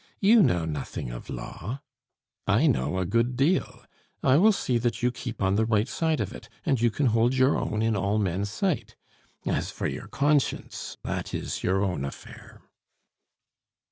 You know nothing of law; I know a good deal. I will see that you keep on the right side of it, and you can hold your own in all men's sight. As for your conscience, that is your own affair."